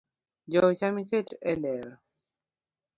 Jou cham iket e dero.